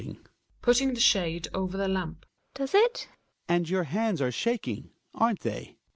GiNA {putting the shade over the lamp). Does it? Hjalmar. And your hands are shaking. Aren't they?